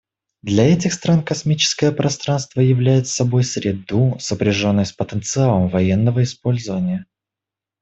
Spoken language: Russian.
Для этих стран космическое пространство являет собой среду, сопряженную с потенциалом военного использования.